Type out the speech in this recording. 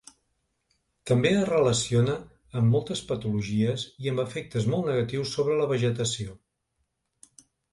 També es relaciona amb moltes patologies i amb efectes molt negatius sobre la vegetació.